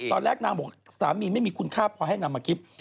ตอนแรกนางบอกสามีไม่มีคุณค่าพอให้นำมาคลิป